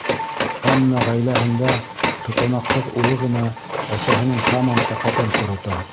Әммә ғаиләһендә тотанаҡһыҙ улы ғына әсәһенең тамам тәҡәтен ҡорота.